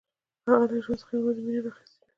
هغه له ژوند څخه یوازې مینه راخیستې ده